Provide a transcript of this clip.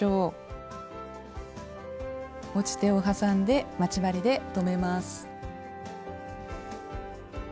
持ち手をはさんで待ち針で留めます。